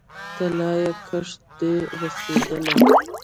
طلايي کښت دې رسیدلی